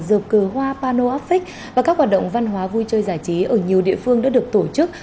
dịp cờ hoa pano áp vích và các hoạt động văn hóa vui chơi giải trí ở nhiều địa phương đã được tổ chức